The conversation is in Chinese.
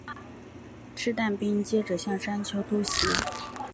掷弹兵接着向山丘突袭。